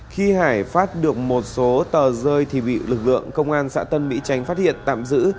khi hải phát được một số tờ rơi thì bị lực lượng công an xã tân mỹ chánh phát hiện tạm giữ